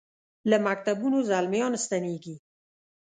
له مکتبونو زلمیا ن ستنیږي